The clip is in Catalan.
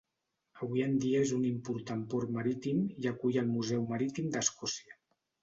Avui en dia és un important port marítim i acull el Museu Marítim d'Escòcia.